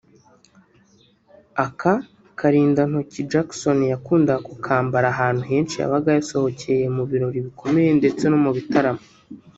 Aka karindantoki Jackson yakundaga kukambara ahantu henshi yabaga yasohokeye mu birori bikomeye ndetse no mu bitaramo